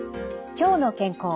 「きょうの健康」